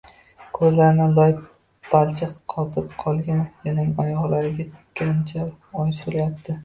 koʻzlarini loy-balchiq qotib qolgan yalang oyoqlariga tikkancha oʻy suryapti.